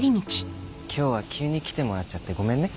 今日は急に来てもらっちゃってごめんね。